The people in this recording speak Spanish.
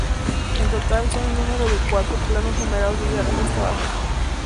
En total son en número de cuatro planos numerados desde arriba hasta abajo.